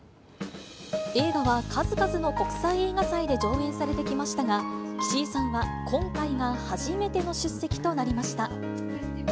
映画は、数々の国際映画祭で上映されてきましたが、岸井さんは今回が初めての出席となりました。